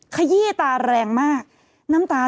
ขยี้ตาแรงมากน้ำตา